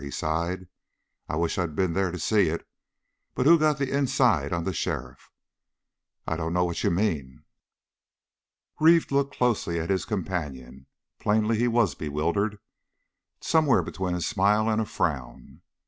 he sighed. "I wish I'd been there to see it. But who got the inside on the sheriff?" "I dunno what you mean?" Pete Reeve looked closely at his companion. Plainly he was bewildered, somewhere between a smile and a frown.